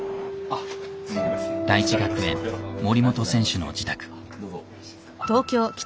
大智学園森本選手の自宅。